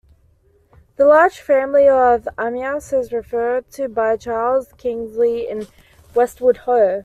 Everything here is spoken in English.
The large family of Amyas is referred to by Charles Kingsley in Westward Ho!